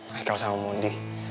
aikal sama mundi